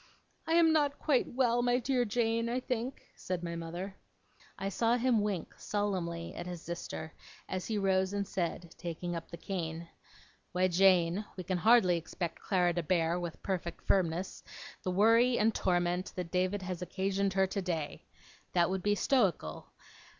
'I am not quite well, my dear Jane, I think,' said my mother. I saw him wink, solemnly, at his sister, as he rose and said, taking up the cane: 'Why, Jane, we can hardly expect Clara to bear, with perfect firmness, the worry and torment that David has occasioned her today. That would be stoical.